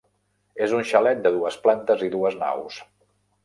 És un xalet de dues plantes i dues naus.